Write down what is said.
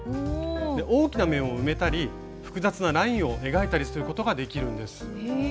大きな面を埋めたり複雑なラインを描いたりすることができるんです。